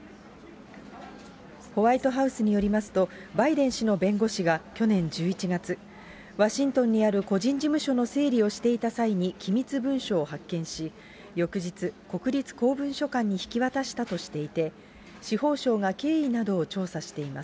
ホワイトハウスによりますと、バイデン氏の弁護士が去年１１月、ワシントンにある個人事務所の整理をしていた際に、機密文書を発見し、翌日、国立公文書館に引き渡したとしていて、司法省が経緯などを調査しています。